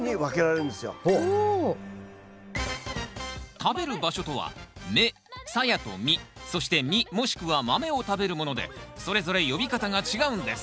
食べる場所とは芽サヤと実そして実もしくは豆を食べるものでそれぞれ呼び方が違うんです。